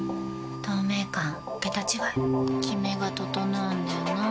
透明感桁違いキメが整うんだよな。